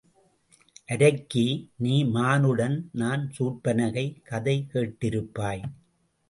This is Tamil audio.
அரக்கி நீ மானுடன் நான் சூர்ப்பனகை கதை கேட் டிருப்பாய்?